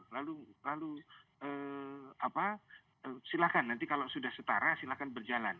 lalu silakan nanti kalau sudah setara silahkan berjalan